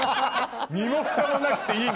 身もふたもなくていいね。